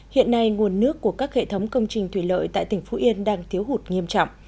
hiện nay nguồn nước của các hệ thống công trình thủy lợi tại tỉnh phú yên đang thiếu hụt nghiêm trọng